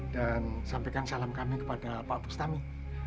sampaikan salam kami kepada pak bustami